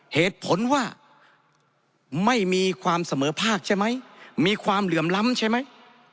เหตุผลว่าไม่มีความเสมอภาคใช่ไหมมีความเหลื่อมล้ำใช่ไหม